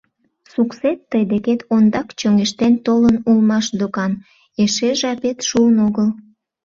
Суксет тый декет ондак чоҥештен толын улмаш докан: эше жапет шуын огыл.